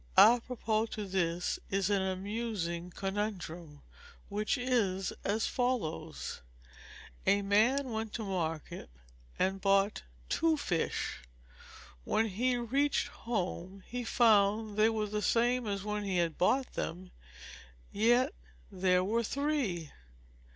Apropos to this is an amusing conundrum which is as follows: "A man went to market and bought two fish. When he reached home he found they were the same as when he had bought them; yet there were _three!